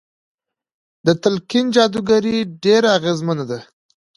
د تلقين جادوګري ډېره اغېزمنه ده.